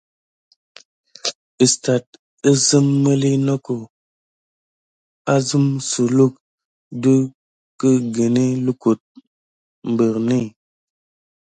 Istat gelzim miliy noko akum siluk de kumgene kuluck berinba.